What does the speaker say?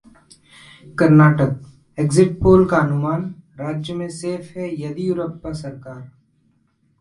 कर्नाटकः exit poll का अनुमान, राज्य में सेफ है येदियुरप्पा सरकार